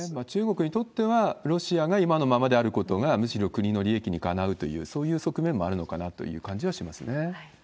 中国にとっては、ロシアが今のままであることが、むしろ国の利益にかなうという、そういう側面もあるのかなという気はしますね。